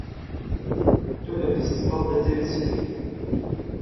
تۆ لە فێستیڤاڵ دەتەوێ چ بکەی؟